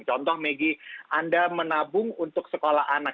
contoh maggie anda menabung untuk sekolah anak